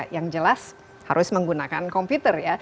yang jelas harus menggunakan komputer ya